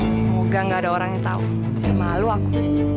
semoga enggak ada orang yang tahu bisa malu aku